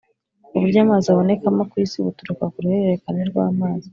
uburyo amazi abonekamo ku isi buturuka ku ruhererekane rw’amazi.